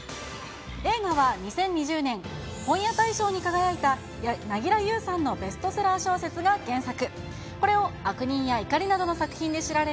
映画は２０２０年、本屋大賞に輝いた、凪良ゆうさんのベストセラー小説が原作。